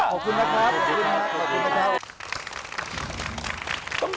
ขอบคุณครับ